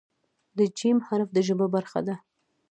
د "ج" حرف د ژبې برخه ده.